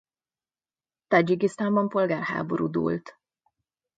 Tádzsikisztánban polgárháború dúlt.